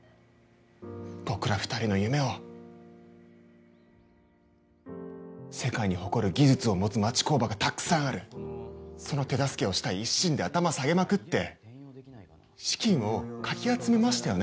僕ら二人の夢を世界に誇る技術を持つ町工場がたくさんあるその手助けをしたい一心で頭下げまくって資金をかき集めましたよね